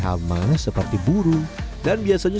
aman seperti burung dan biasanya